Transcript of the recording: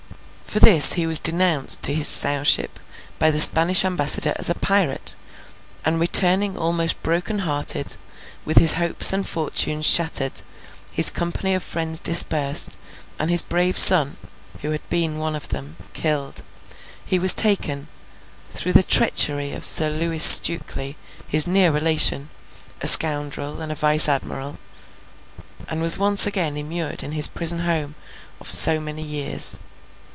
For this he was denounced to his Sowship by the Spanish Ambassador as a pirate; and returning almost broken hearted, with his hopes and fortunes shattered, his company of friends dispersed, and his brave son (who had been one of them) killed, he was taken—through the treachery of Sir Lewis Stukely, his near relation, a scoundrel and a Vice Admiral—and was once again immured in his prison home of so many years.